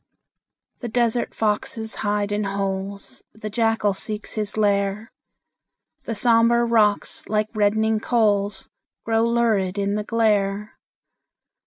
The desert foxes hide in holes, The jackal seeks his lair; The sombre rocks, like reddening coals, Glow lurid in the glare.